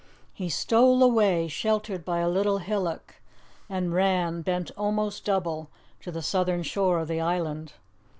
He stole away, sheltered by a little hillock, and ran, bent almost double, to the southern shore of the island.